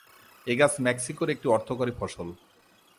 এ গাছ মেক্সিকোর একটি অর্থকরী ফসল।